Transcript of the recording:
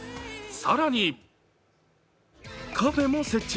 更に、カフェも設置。